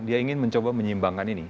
dia ingin mencoba menyimbangkan ini